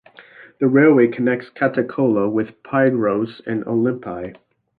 A railway connects Katakolo with Pyrgos and Olympi.